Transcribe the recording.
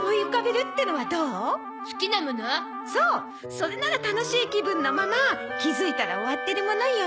それなら楽しい気分のまま気づいたら終わってるものよ。